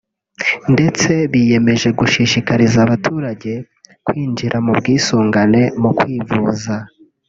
ndetse biyemeje gushishikariza abaturage kwinjira mu bwisungane mu kwivuza